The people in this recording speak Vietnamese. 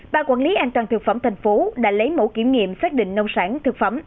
bà quản lý an toàn thực phẩm thành phố đã lấy mẫu kiểm nghiệm xác định nông sản thực phẩm